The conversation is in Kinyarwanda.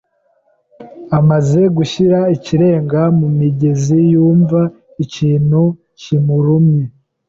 amaze gushyira ikirenge mu mugezi, yumva ikintu kimurumye.